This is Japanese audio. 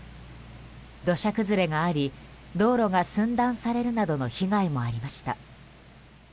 土砂崩れがあり道路が寸断されるなどの被害もありました。